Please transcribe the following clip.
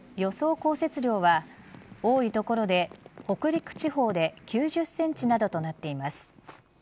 降雪量は多い所で北陸地方で９０センチなどとなっています。